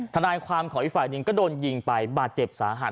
ทนายความของอีกฝ่ายหนึ่งก็โดนยิงไปบาดเจ็บสาหัส